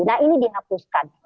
nah ini dihapuskan